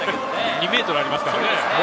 ２ｍありますからね。